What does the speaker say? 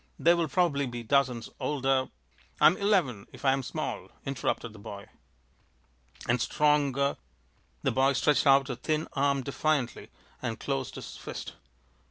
There will probably be dozens older " "I'm eleven, if I am small," interrupted the boy. "And stronger " The boy stretched out a thin arm defiantly, and closed his fist.